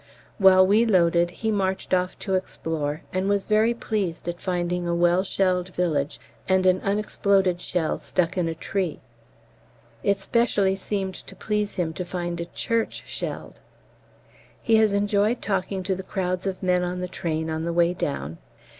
While we loaded he marched off to explore, and was very pleased at finding a well shelled village and an unexploded shell stuck in a tree. It specially seemed to please him to find a church shelled! He has enjoyed talking to the crowds of men on the train on the way down.